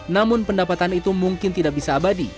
namun pendapatan itu mungkin tidak bisa abadi